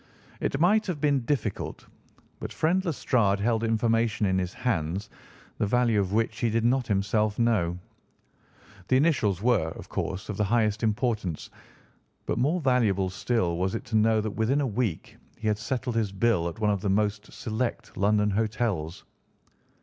"It might have been difficult, but friend Lestrade held information in his hands the value of which he did not himself know. The initials were, of course, of the highest importance, but more valuable still was it to know that within a week he had settled his bill at one of the most select London hotels."